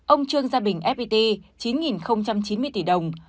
ông trương gia bình fpt chín chín mươi tỷ đồng